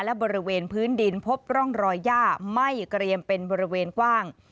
และบริเวณพื้นดินพบร่องรอยย่าไหม้เกรียมเป็นบริเวณกว้าง